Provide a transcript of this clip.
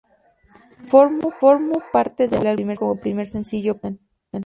Formo parte del álbum como primer sencillo promocional.